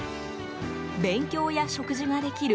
勉強や食事ができる